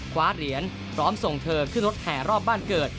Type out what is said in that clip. คว้าเหรียญพร้อมส่งเธอขึ้นรถแห่รอบบ้านเกิด